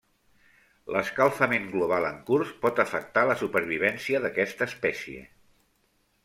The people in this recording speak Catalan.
L'escalfament global en curs pot afectar la supervivència d'aquesta espècie.